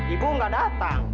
ibu gak datang